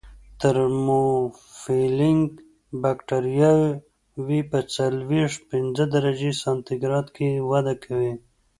ترموفیلیک بکټریاوې په څلویښت پنځه درجې سانتي ګراد کې وده کوي.